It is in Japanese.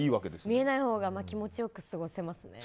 見えないほうが気持ち良く過ごせますね。